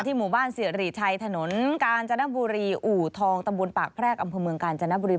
หมู่บ้านสิริชัยถนนกาญจนบุรีอู่ทองตำบลปากแพรกอำเภอเมืองกาญจนบุรี